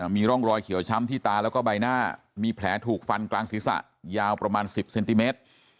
มีร่องรอยเขียวช้ำที่ตาแล้วก็ใบหน้ามีแผลถูกฟันกลางศีรษะยาวประมาณ๑๐เซนติเมตร